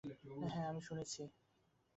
হ্যাঁ, আমি শুনেছি।